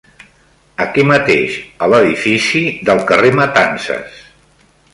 Aquí mateix, a l'edifici del carrer Matances.